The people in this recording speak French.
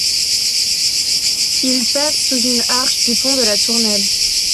Il passe sous une arche du pont de la Tournelle.